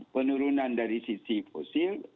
penurunan dari sisi fosil